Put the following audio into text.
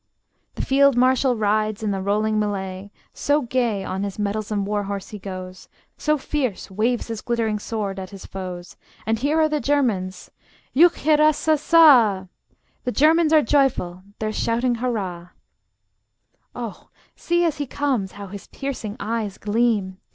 The field marshal rides in the rolling mellay: So gay on, his mettlesome war horse he goes, So fierce waves his glittering sword at his foes. And here are the Germans: juchheirassassa! The Germans are joyful: they're shouting hurrah! [Footnote 2: Blücher] Oh, see as he comes how his piercing eyes gleam!